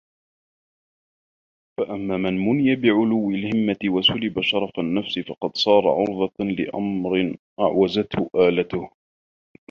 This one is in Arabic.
فَأَمَّا مَنْ مُنِيَ بِعُلُوِّ الْهِمَّةِ وَسُلِبَ شَرَفُ النَّفْسِ فَقَدْ صَارَ عُرْضَةً لِأَمْرٍ أَعْوَزَتْهُ آلَتُهُ